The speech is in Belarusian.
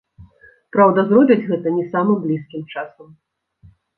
Праўда, зробяць гэта не самым блізкім часам.